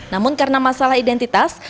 namun karena masalah identitas